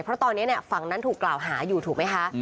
เพราะตอนนี้ฝั่งนั้นถูกกล่าวหาอยู่ถูกไหมคะ